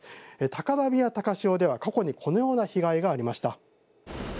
高波や高潮ではこのような被害がありました。